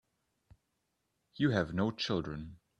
You have no children.